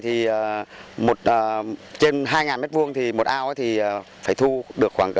thì trên hai ngàn m hai một ao thì phải thu được khoảng hai tấn